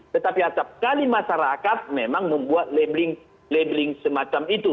tetapi setiap kali masyarakat memang membuat labeling semacam itu